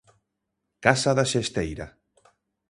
Casa da Xesteira.